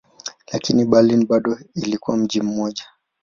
Lakini Berlin bado ilikuwa mji mmoja.